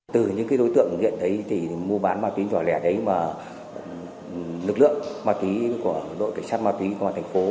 từ những đối tượng nghiện đấy thì mua bán ma túy nhỏ lẻ đấy mà lực lượng ma túy của đội cảnh sát ma túy công an thành phố